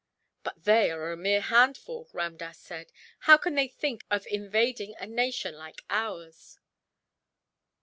"But they are a mere handful," Ramdass said. "How can they think of invading a nation like ours?"